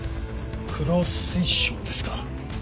黒水晶ですか。